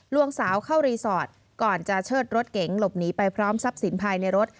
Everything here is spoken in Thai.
วงสาวเข้ารีสอร์ทก่อนจะเชิดรถเก๋งหลบหนีไปพร้อมทรัพย์สินภายในรถ